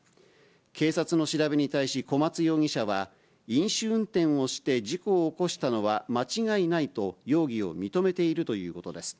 警察の調べに対し、小松容疑者は、飲酒運転をして事故を起こしたのは間違いないと、容疑を認めているということです。